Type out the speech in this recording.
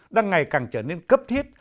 đang ngày càng trở nên cấp thiết